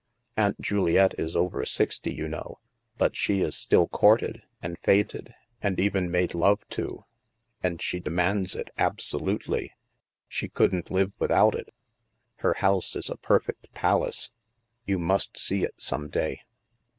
Aunt Juliette is over sixty, you know, but she is still courted, and feted, and even made love to. And she demands it, absolutely. She couldn't live without it. Her house is a perfect palace. You must see it some day."